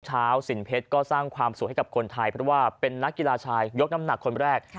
สินเพชรก็สร้างความสุขให้กับคนไทยเพราะว่าเป็นนักกีฬาชายยกน้ำหนักคนแรก